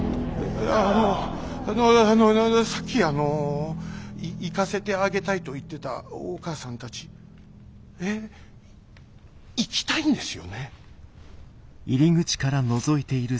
ああのあのあのさっきあの行かせてあげたいと言ってたお母さんたちえ？行きたいんですよね？